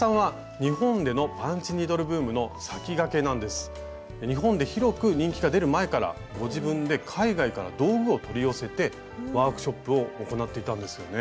日本で広く人気が出る前からご自分で海外から道具を取り寄せてワークショップを行っていたんですよね。